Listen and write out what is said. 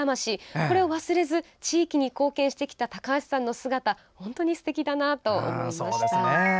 これを忘れず地域に貢献してきた高橋さんの姿本当にすてきだなと思いました。